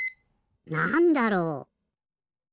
なんだろう？